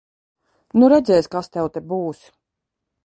Nu redzēs, kas tev te būs.